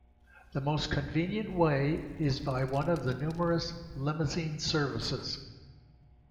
The most convenient way is by one of the numerous "limousine services".